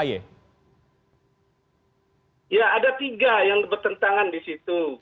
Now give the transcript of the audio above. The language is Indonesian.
ya ada tiga yang bertentangan di situ